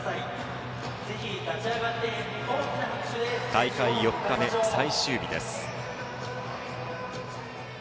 大会４日目、最終日です。